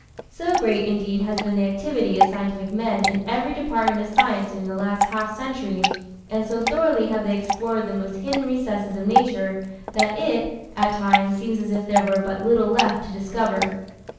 So great, indeed, has been the activity of scientific men in every department of science during the last half century, and so thoroughly have they explored the most hidden recesses of nature, that it, at times, seems as if there were but little left to discover.